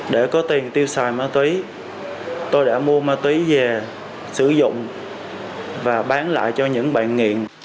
để có tiền tiêu xài ma túy tôi đã mua ma túy về sử dụng và bán lại cho những bạn nghiện